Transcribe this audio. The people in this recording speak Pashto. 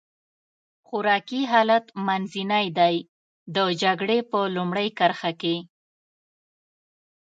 خوراکي حالت منځنی دی، د جګړې په لومړۍ کرښه کې.